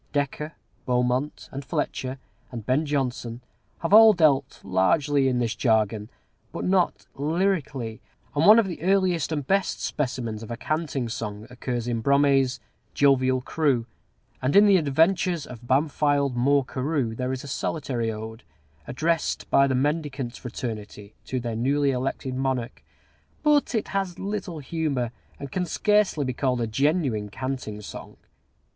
Dekker, Beaumont and Fletcher, and Ben Jonson have all dealt largely in this jargon, but not lyrically; and one of the earliest and best specimens of a canting song occurs in Brome's "Jovial Crew;" and in the "Adventures of Bamfylde Moore Carew" there is a solitary ode, addressed by the mendicant fraternity to their newly elected monarch; but it has little humor, and can scarcely be called a genuine canting song.